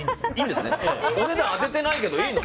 お値段当ててないけどいいのね？